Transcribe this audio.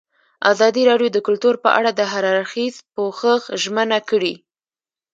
ازادي راډیو د کلتور په اړه د هر اړخیز پوښښ ژمنه کړې.